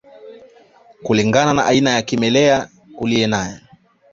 Kulingana na aina ya kimelea uliye naye